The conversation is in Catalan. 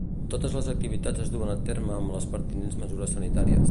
Totes les activitats es duen a terme amb les pertinents mesures sanitàries.